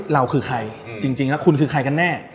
เราคือใครจริงแล้วคุณคือใครกันแน่